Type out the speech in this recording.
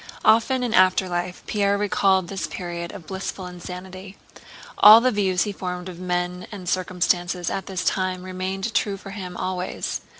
Often in afterlife Pierre recalled this period of blissful insanity. All the views he formed of men and circumstances at this time remained true for him always.